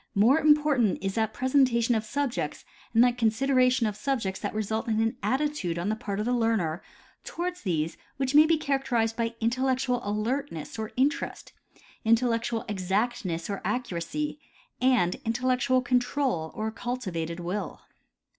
More important is that presentation of subjects and that consideration of subjects that result in an attitude on the part of the learner toward these which may be characterized by intellectual alertness or interest, intellectual exactness or accuracy, and intellectual control or a cultivated will.